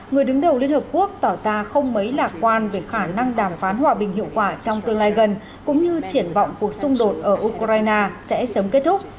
người đứng đầu liên hợp quốc tỏ ra không mấy lạc quan về khả năng đàm phán hòa bình hiệu quả trong tương lai gần cũng như triển vọng cuộc xung đột ở ukraine sẽ sớm kết thúc